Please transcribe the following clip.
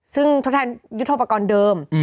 ซึ่งทดแทนยุทธโปรกรณ์เดิม